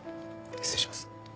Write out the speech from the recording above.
失礼します。